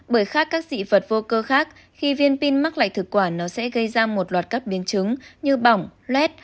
bởi khác các dị vật vô cơ khác khi viên pin mắc lại thực quản nó sẽ gây ra một loạt các biến chứng như bỏng lét